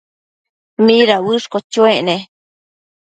¿mida uëshquio chuec ne?